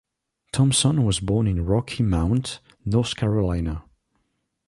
Thompson was born in Rocky Mount, North Carolina.